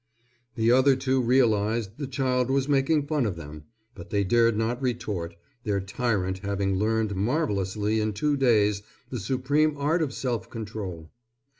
The other two realized the child was making fun of them, but they dared not retort, their tyrant having learned marvellously in two days the supreme art of self control.